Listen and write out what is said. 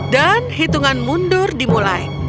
dan hitungan mundur dimulai